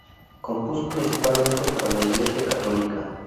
Compuso principalmente para la Iglesia católica.